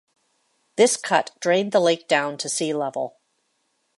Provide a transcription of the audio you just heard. This cut drained the lake down to sea level.